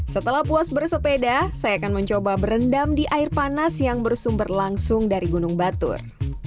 setelah puas bersepeda saya akan mencoba berendam di air panas yang bersumber langsung dari gunung batur